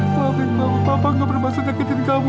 maafin papa papa gak bermaksud ngeketin kamu